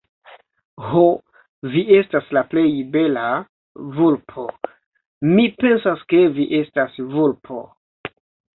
Ho, vi estas la plej bela... vulpo, mi pensas, ke vi estas vulpo.